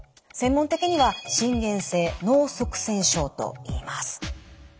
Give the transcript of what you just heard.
専門的には心原性脳塞栓症といいます。